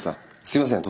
すいません